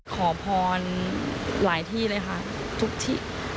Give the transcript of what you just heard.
ขอพรหลายที่เลยค่ะ